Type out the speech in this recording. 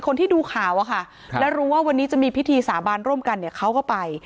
คนที่ดูข่าวอะค่ะแล้วรู้ว่าวันนี้จะมีพิธีสาบานร่วมกันเนี่ยเขาก็ไป